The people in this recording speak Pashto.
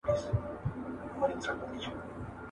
د دواړو هېوادونو ترمنځ مذهبي اړیکي څنګه دي؟